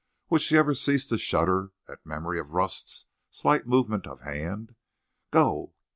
Would she ever cease to shudder at memory of Rust's slight movement of hand? Go!